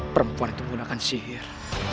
perempuan itu menggunakan sihir